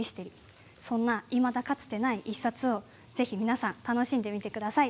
そんないまだかつてない１冊を是非皆さん楽しんでみて下さい。